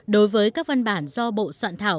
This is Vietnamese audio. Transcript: đối với các văn bản do bộ soạn thảo